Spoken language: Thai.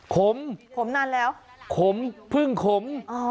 ขมขมนานแล้วขมพึ่งขม